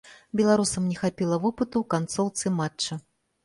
Беларусам не хапіла вопыту ў канцоўцы матча.